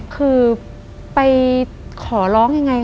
คือไปขอร้องยังไง